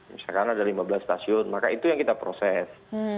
misalkan ada lima belas stasiun maka itu yang kita proses